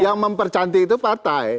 yang mempercantik itu partai